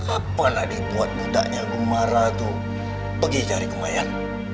apa nak dibuat budaknya gumara itu pergi cari kumayan